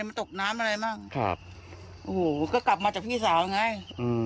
มันตกน้ำอะไรมั่งครับโอ้โหก็กลับมาจากพี่สาวไงอืม